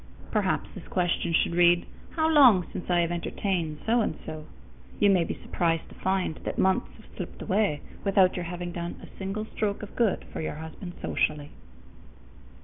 _ Perhaps this question should read, "How long since I have entertained So and So?" You may be surprised to find that months have slipped away without your having done a single stroke of good for your husband socially.